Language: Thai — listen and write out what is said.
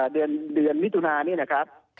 เดือนวิทยุนาเนี่ยนะครับ